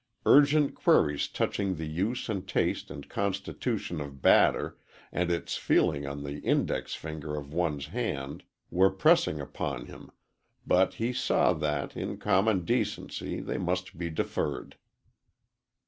Urgent queries touching the use and taste and constitution of batter and its feeling on the index finger of one's hand were pressing upon him, but he saw that, in common decency, they must be deferred.